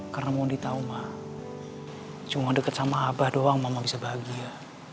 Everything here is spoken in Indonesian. karena mau ditahu ma cuma dekat sama abah doang mama bisa bahagia